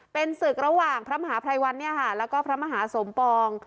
เป็นศึกระหว่างพระมหาภัยวันแล้วก็พระมหาสมปอง